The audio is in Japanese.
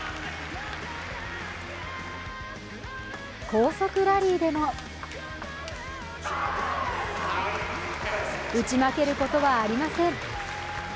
高速ラリーでも打ち負けることはありません。